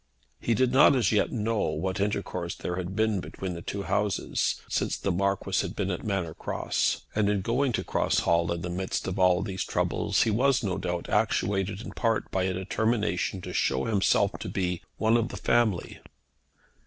He did not as yet know what intercourse there had been between the two houses, since the Marquis had been at Manor Cross. And in going to Cross Hall in the midst of all these troubles, he was no doubt actuated in part by a determination to show himself to be one of the family.